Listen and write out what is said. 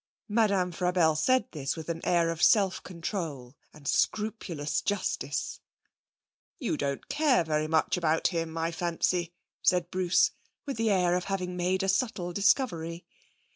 Madame Frabelle said this with an air of self control and scrupulous justice. 'You don't care very much about him, I fancy,' said Bruce with the air of having made a subtle discovery.